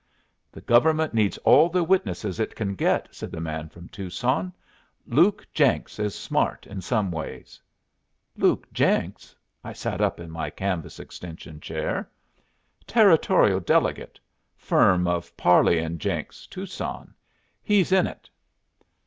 "The government needs all the witnesses it can get," said the man from Tucson. "Luke Jenks is smart in some ways." "Luke Jenks?" I sat up in my canvas extension chair. "Territorial Delegate; firm of Parley and Jenks, Tucson. He's in it."